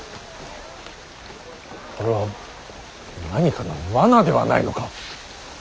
これは何かの罠ではないのか。